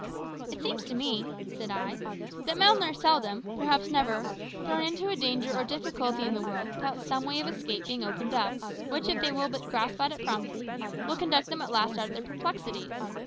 "It seems to me," said I, "that men are seldom, perhaps never, thrown into a danger or difficulty in this world without some way of escape being opened up, which, if they will but grasp at it promptly, will conduct them at last out of their perplexities.